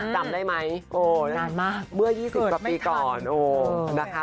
จ้ะจ้ะใช่น่ามากเมื่อ๒๐กว่าปีก่อนโอ้โฮนะคะ